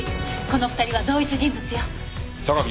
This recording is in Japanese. この２人は同一人物よ。